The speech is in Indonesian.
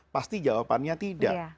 pasti jawabannya tidak